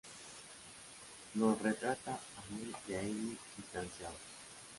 Nos retrata a mí y a Amy distanciados".